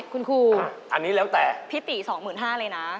๑๒๕๐๐คุณครูอันนี้แล้วแต่พิติ๒๕๐๐๐เลยนะ